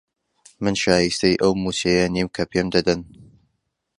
من شایستەی ئەو مووچەیە نیم کە پێم دەدەن.